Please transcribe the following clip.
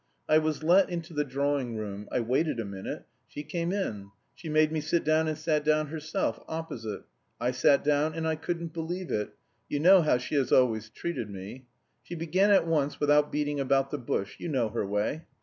I was let into the drawing room; I waited a minute she came in; she made me sit down and sat down herself, opposite. I sat down, and I couldn't believe it; you know how she has always treated me. She began at once without beating about the bush, you know her way.